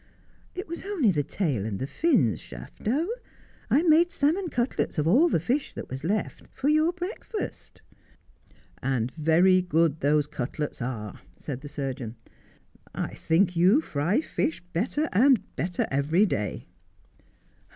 ' It was only the tail and the fins, Shafto. I made salmon cutlets of all the fish that was left, for your breakfast.' ' And very good those cutlets are,' said the surgeon. ' I think you fry fish better and better evei y day.'